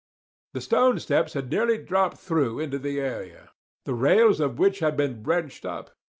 The stone steps had nearly dropped through into the area, the rails of which had been wrenched up.